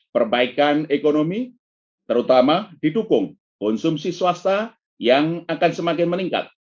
perbaikan ekonomi terutama didukung konsumsi swasta yang akan semakin meningkat